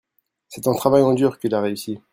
c'est en travaillant dur qu'il a réussi.